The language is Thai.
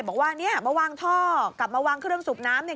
บอกว่ามาวางท่อกลับมาวางเครื่องสูบน้ำ